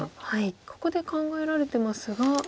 ここで考えられてますが。